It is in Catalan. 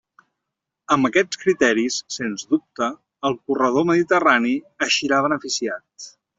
Amb aquests criteris, sens dubte, el corredor mediterrani eixirà beneficiat.